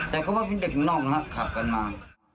แต่เขาว่าเป็นเด็กอยู่นอกนะครับขับกันมา